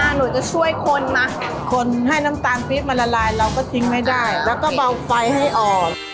คนให้น้ำตาลปรีบมันละลายเราก็ทิ้งไม่ได้แล้วก็เบาไฟให้ออก